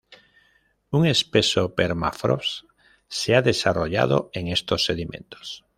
Un espeso permafrost se ha desarrollado en estos sedimentos.